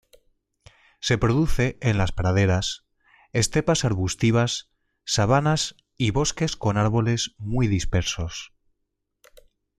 Se produce en las praderas, estepas arbustivas, sabanas y bosques con árboles muy dispersos.